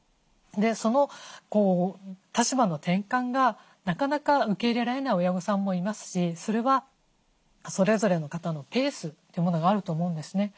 その立場の転換がなかなか受け入れられない親御さんもいますしそれはそれぞれの方のペースというものがあると思うんですね。